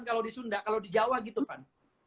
kalau di sunda kalau di jawa gitu kan